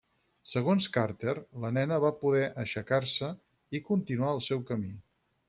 Segons Carter, la nena va poder aixecar-se i continuar el seu camí.